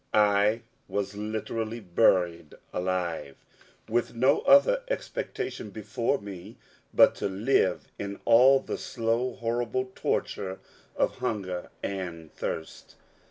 I was literally buried alive; with no other expectation before me but to die in all the slow horrible torture of hunger and thirst.